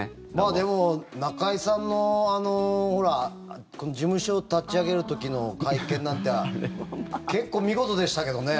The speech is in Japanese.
でも、中居さんのあの事務所を立ち上げる時の会見なんて結構見事でしたけどね。